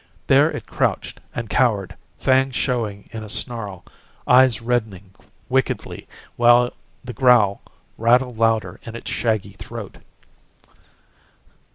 There it crouched and cowered, fangs showing in a snarl, eyes reddening wickedly, while the growl rattled louder in its shaggy throat.